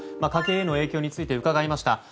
家計への影響について伺いました。